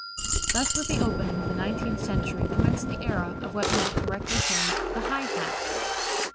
Thus with the opening of the nineteenth century commenced the era of what may be correctly termed the high hat.